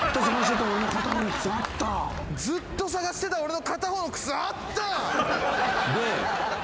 「ずっと捜してた俺の片方の靴あった」で